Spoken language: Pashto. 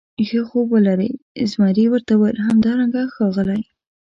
ښه خوب ولرې، زمري ورته وویل: همدارنګه ښاغلی.